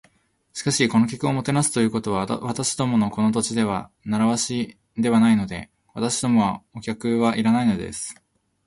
「しかし、お客をもてなすということは、私どものこの土地では慣わしではないので。私どもはお客はいらないのです」